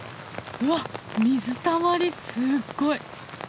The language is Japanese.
うわっ水たまりすっごい！